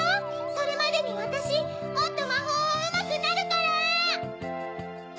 それまでにわたしもっとまほうをうまくなるから！